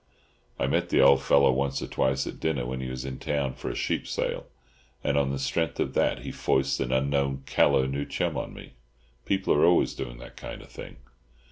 I met the old fellow once or twice at dinner, when he was in town for the sheep sales, and on the strength of that he foists an unknown callow new chum on to me. People are always doing that kind of thing."